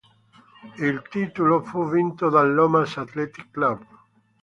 Il titolo fu vinto dal Lomas Athletic Club.